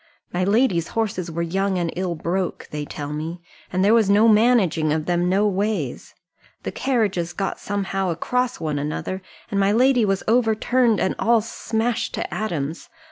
My lady's horses were young and ill broke, they tell me, and there was no managing of them no ways. The carriages got somehow across one another, and my lady was overturned, and all smashed to atoms.